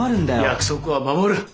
約束は守る。